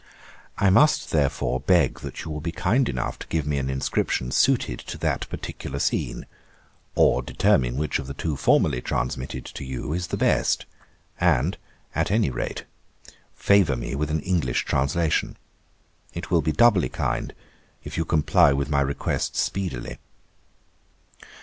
I must, therefore, beg that you will be kind enough to give me an inscription suited to that particular scene; or determine which of the two formerly transmitted to you is the best; and, at any rate, favour me with an English translation. It will be doubly kind if you comply with my request speedily.